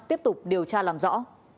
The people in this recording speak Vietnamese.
tiếp tục điều tra làm rõ